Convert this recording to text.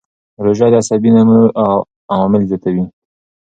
روژه د عصبي نمو عوامل زیاتوي.